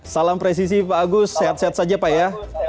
salam presisi pak agus sehat sehat saja pak ya